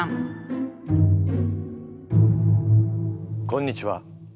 こんにちは。